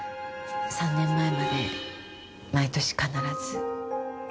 ３年前まで毎年必ず。